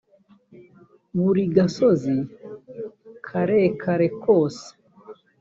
buri gasozi karekare kose